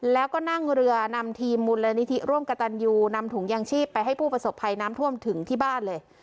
แล้วก็นั่งเรือนำทีมมูลนิธิร่วมกระตันยูนำถุงยางชีพไปให้ผู้ประสบภัยน้ำท่วมถึงที่บ้านเลย